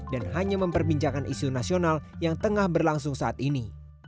dan hanya memperbincangkan isu nasional yang tengah berlangsung saat ini